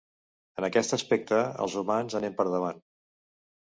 En aquest aspecte, els humans anem per davant.